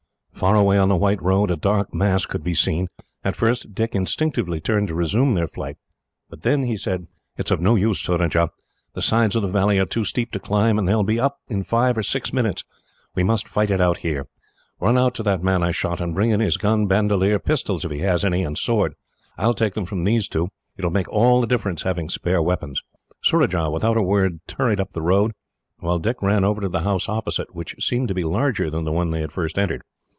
Far away on the white road, a dark mass could be seen. At first, Dick instinctively turned to resume their flight, but then he said: "It is of no use, Surajah. The sides of the valley are too steep to climb, and they will be up in five or six minutes. We must fight it out here. Run out to that man I shot, and bring in his gun, bandolier, pistols if he has any, and sword. I will take them from these two. It will make all the difference, having spare weapons." Surajah, without a word, hurried up the road, while Dick ran over to the house opposite, which seemed to be larger than the one they had first entered.